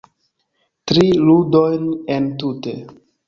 Tri ludojn entute